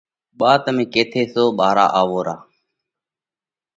ٻا تمي ڪيٿئہ سو۔ ٻارا آوو را۔